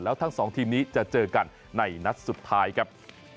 แล้วทั้งสองทีมนี้จะเจอกันในนัดสุดท้ายครับ